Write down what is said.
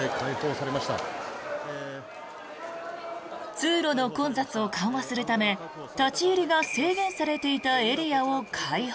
通路の混雑を緩和するため立ち入りが制限されていたエリアを開放。